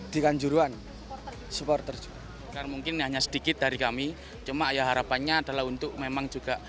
dikanjuruan supporters mungkin hanya sedikit dari kami cuma ya harapannya adalah untuk memang juga